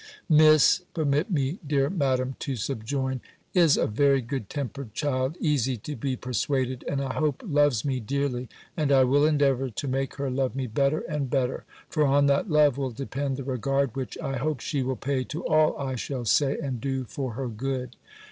"Miss (permit me, dear Madam, to subjoin) is a very good tempered child, easy to be persuaded, and I hope loves me dearly; and I will endeavour to make her love me better and better; for on that love will depend the regard which, I hope, she will pay to all I shall say and do for her good.